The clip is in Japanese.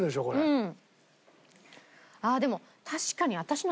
うん。